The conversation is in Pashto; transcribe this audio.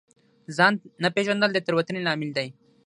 ځان نه پېژندل د تېروتنې لامل دی.